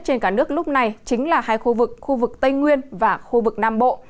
trên cả nước lúc này chính là hai khu vực khu vực tây nguyên và khu vực nam bộ